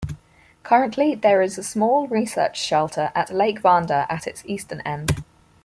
Currently there is a small research shelter at Lake Vanda at its eastern end.